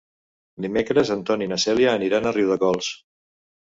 Dimecres en Ton i na Cèlia aniran a Riudecols.